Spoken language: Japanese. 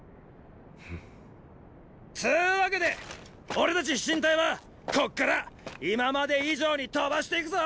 つーわけで俺たち飛信隊はこっから今まで以上に飛ばしていくぞ！